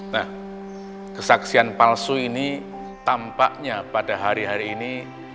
nah kesaksian palsu ini tampaknya pada hari hari ini